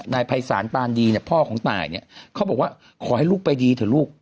นายภัยสารปานดีพ่อของตายเขาบอกว่าขอให้ลูกไปดีเถอะลูก